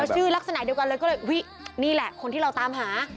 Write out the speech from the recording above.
ชื่อลักษณะเดียวกันเลยก็เลยอุ๊ยนี่แหละคนที่เราตามหา